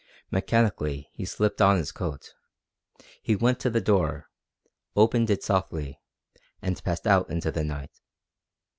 Mechanically he slipped on his coat. He went to the door, opened it softly, and passed out into the night.